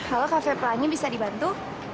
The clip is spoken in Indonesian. halo kafe pelangi bisa dibantu